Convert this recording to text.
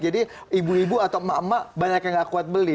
jadi ibu ibu atau emak emak banyak yang nggak kuat beli